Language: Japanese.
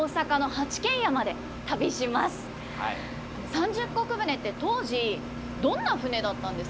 三十石船って当時どんな船だったんですか？